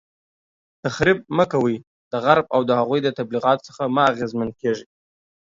تخریب مه کوئ، د غرب او د هغوی د تبلیغاتو څخه مه اغیزمن کیږئ